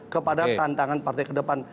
kepada tantangan partai kedepan